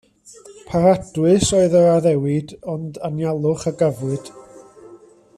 Paradwys oedd yr addewid, ond anialwch a gafwyd.